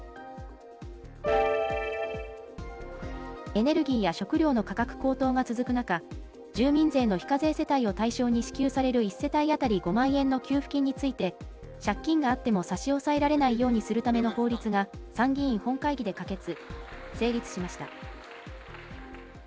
エネルギーや食料の価格高騰が続く中、住民税の非課税世帯を対象に支給される１世帯当たり５万円の給付金について、借金があっても差し押さえられないようにするための法律が、参議院本会議で可決・成立しました。